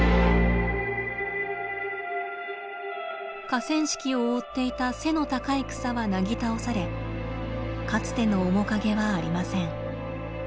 河川敷を覆っていた背の高い草はなぎ倒されかつての面影はありません。